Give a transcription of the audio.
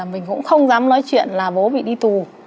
mình cũng không dám nói chuyện là bố bị đi tù